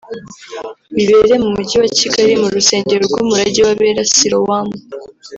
bibere mu mujyi wa Kigali mu rusengero rw’Umurage w’Abera Sirowamu